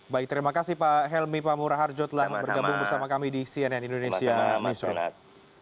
baik terima kasih pak helmi pamuraharjo telah bergabung bersama kami di cnn indonesia news